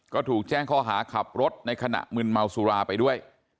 ก็ถูกแจ้งข้อหาขับรถในขณะมึนเมาสุราไปด้วย